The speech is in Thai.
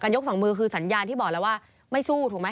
ยกสองมือคือสัญญาณที่บอกแล้วว่าไม่สู้ถูกไหม